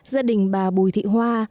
gia đình bà bùi thị hoa